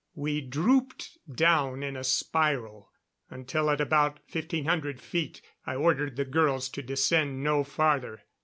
We drooped down in a spiral, until at about fifteen hundred feet I ordered the girls to descend no farther.